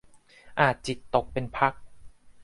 อาจจิตตกเป็นพัก